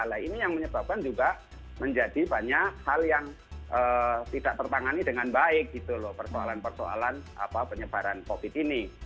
nah ini yang menyebabkan juga menjadi banyak hal yang tidak tertangani dengan baik gitu loh persoalan persoalan penyebaran covid ini